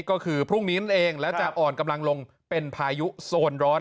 ก็คือพรุ่งนี้นั่นเองและจะอ่อนกำลังลงเป็นพายุโซนร้อน